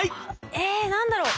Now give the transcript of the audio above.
え何だろう？